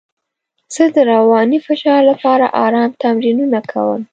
زه د رواني فشار لپاره ارام تمرینونه کوم.